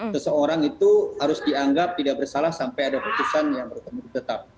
seseorang itu harus dianggap tidak bersalah sampai ada putusan yang bertemu tetap